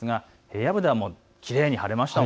平野部では、きれいに晴れました。